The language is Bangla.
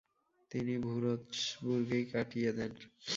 তিনি ভুরৎসবুর্গেই কাটিয়ে দেন।